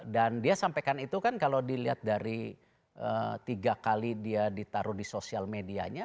dan dia sampaikan itu kan kalau dilihat dari tiga kali dia ditaruh di sosial medianya